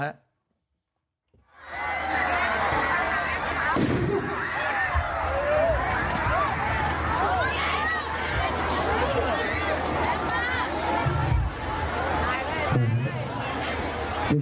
ตายตายตาย